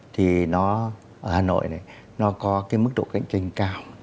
thì nó ở hà nội này nó có cái mức độ cạnh tranh cao